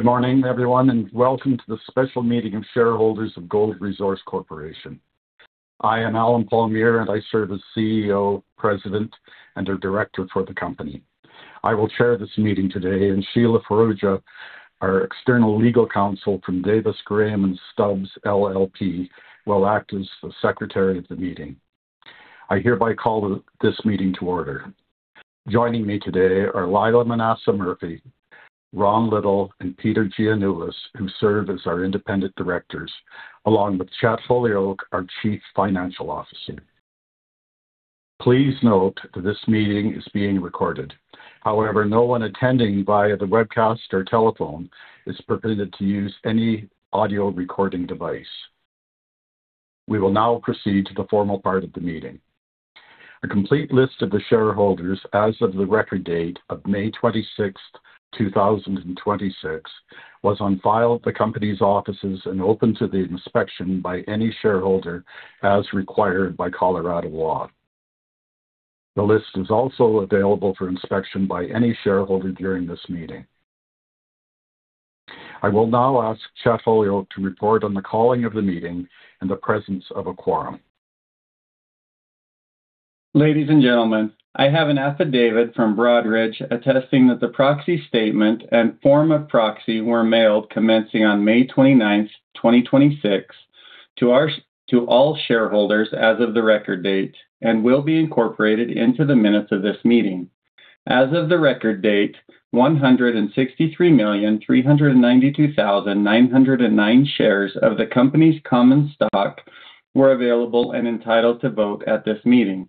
Good morning, everyone. Welcome to the Special Meeting of Shareholders of Gold Resource Corporation. I am Allen Palmiere. I serve as CEO, President, and a Director for the company. I will chair this meeting today. Sheila Forjuoh, our external legal counsel from Davis Graham & Stubbs LLP will act as the secretary of the meeting. I hereby call this meeting to order. Joining me today are Lila Manassa Murphy, Ron Little, and Peter Gianulis, who serve as our Independent Directors, along with Chet Holyoak, our Chief Financial Officer. Please note that this meeting is being recorded. However, no one attending via the webcast or telephone is permitted to use any audio recording device. We will now proceed to the formal part of the meeting. A complete list of the shareholders as of the record date of May 26th, 2026, was on file at the company's offices and open to the inspection by any shareholder, as required by Colorado law. The list is also available for inspection by any shareholder during this meeting. I will now ask Chet Holyoak to report on the calling of the meeting and the presence of a quorum. Ladies and gentlemen, I have an affidavit from Broadridge attesting that the proxy statement and form of proxy were mailed commencing on May 29th, 2026, to all shareholders as of the record date and will be incorporated into the minutes of this meeting. As of the record date, 163,392,909 shares of the company's common stock were available and entitled to vote at this meeting.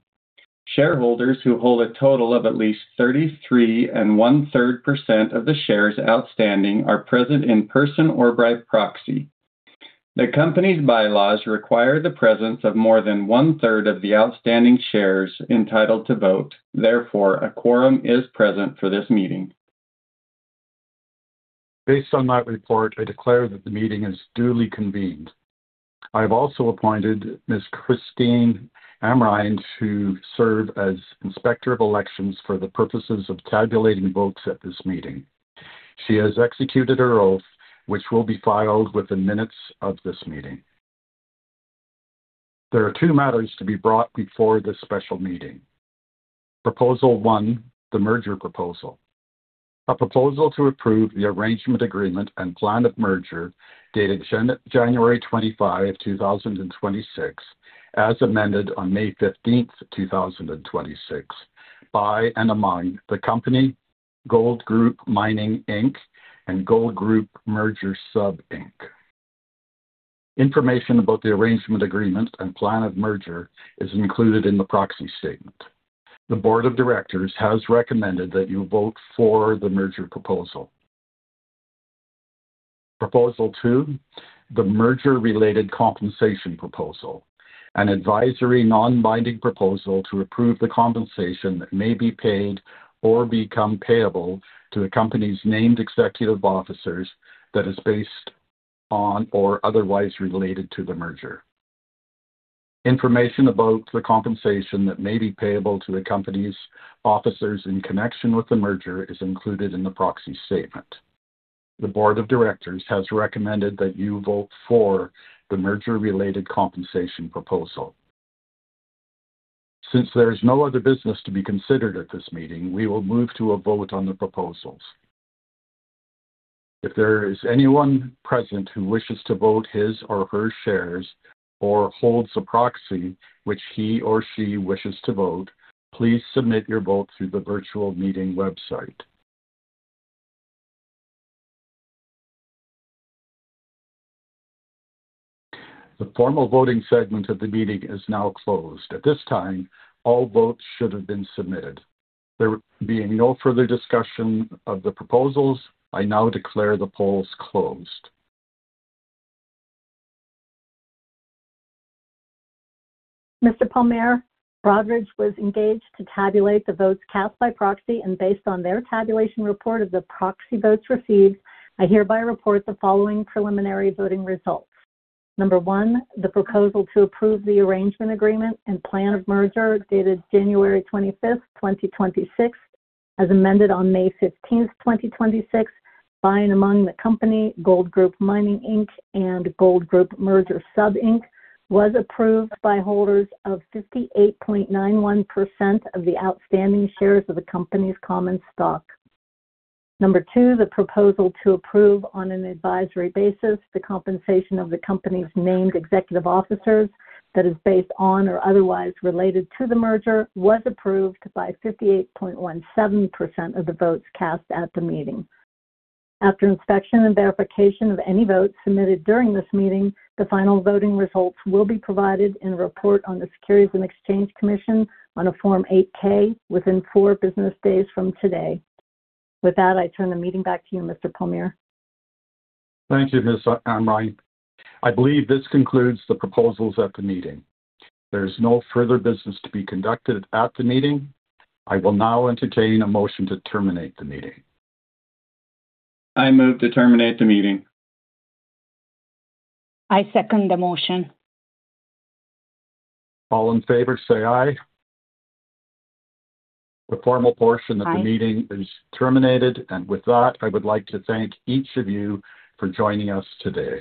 Shareholders who hold a total of at least 33.3% of the shares outstanding are present in person or by proxy. The company's bylaws require the presence of more than 1/3 of the outstanding shares entitled to vote. Therefore, a quorum is present for this meeting. Based on that report, I declare that the meeting is duly convened. I have also appointed Ms. Christine Amrhein to serve as Inspector of Elections for the purposes of tabulating votes at this meeting. She has executed her oath, which will be filed with the minutes of this meeting. There are two matters to be brought before this special meeting. Proposal 1, the merger proposal. A proposal to approve the arrangement agreement and plan of merger dated January 25, 2026, as amended on May 15th, 2026, by and among the company Goldgroup Mining Inc., and Goldgroup Merger Sub, Inc. Information about the arrangement agreement and plan of merger is included in the proxy statement. The Board of Directors has recommended that you vote for the merger proposal. Proposal two, the merger-related compensation proposal. An advisory non-binding proposal to approve the compensation that may be paid or become payable to the company's named executive officers that is based on or otherwise related to the merger. Information about the compensation that may be payable to the company's officers in connection with the merger is included in the proxy statement. The Board of Directors has recommended that you vote for the merger-related compensation proposal. Since there is no other business to be considered at this meeting, we will move to a vote on the proposals. If there is anyone present who wishes to vote his or her shares or holds a proxy which he or she wishes to vote, please submit your vote through the virtual meeting website. The formal voting segment of the meeting is now closed. At this time, all votes should have been submitted. There being no further discussion of the proposals, I now declare the polls closed. Mr. Palmiere, Broadridge was engaged to tabulate the votes cast by proxy. Based on their tabulation report of the proxy votes received, I hereby report the following preliminary voting results. Number one, the proposal to approve the arrangement agreement and plan of merger dated January 25th, 2026, as amended on May 15th, 2026, by and among the company, Goldgroup Mining Inc., and Goldgroup Merger Sub, Inc., was approved by holders of 58.91% of the outstanding shares of the company's common stock. Number two, the proposal to approve on an advisory basis the compensation of the company's named executive officers that is based on or otherwise related to the merger was approved by 58.17% of the votes cast at the meeting. After inspection and verification of any votes submitted during this meeting, the final voting results will be provided in a report on the Securities and Exchange Commission on a Form 8-K within four business days from today. With that, I turn the meeting back to you, Mr. Palmiere. Thank you, Ms. Amrhein. I believe this concludes the proposals at the meeting. There is no further business to be conducted at the meeting. I will now entertain a motion to terminate the meeting. I move to terminate the meeting. I second the motion. All in favor say aye. Aye. The formal portion of the meeting is terminated. With that, I would like to thank each of you for joining us today.